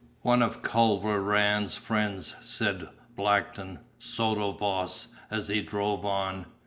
"One of Culver Rann's friends," said Blackton sotto voce, as he drove on.